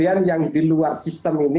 ini sistem ini